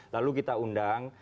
lalu kita undang